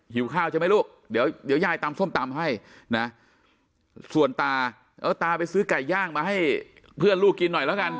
หิวข้าวใช่ไหมลูกเดี๋ยวยายตำส้มตำให้นะส่วนตาเออตาตาไปซื้อไก่ย่างมาให้เพื่อนลูกกินหน่อยแล้วกัน